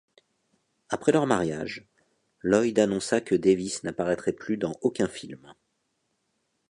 Après leur mariage, Lloyd annonça que Davis n'apparaîtrait plus dans aucun film.